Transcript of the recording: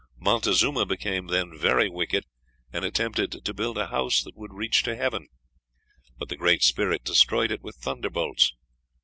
Montezuma became then very wicked, and attempted to build a house that would reach to heaven, but the Great Spirit destroyed it with thunderbolts.